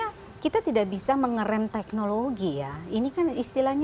rakit kita kabur sama emosional madrid yang merokok policy tempat seuage bapak biasa misalnya